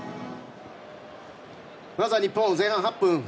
まずは日本、前半８分。